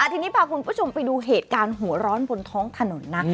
ทีนี้พาคุณผู้ชมไปดูเหตุการณ์หัวร้อนบนท้องถนนนะ